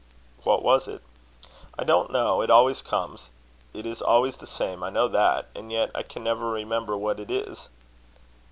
"What was it?" "I don't know. It always comes. It is always the same. I know that. And yet I can never remember what it is."